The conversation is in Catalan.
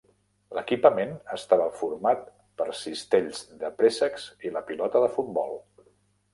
L'equipament estava format per cistells de préssecs i la pilota de futbol.